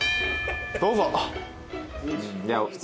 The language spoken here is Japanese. どうぞ！